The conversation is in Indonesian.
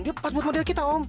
dia pas buat model kita om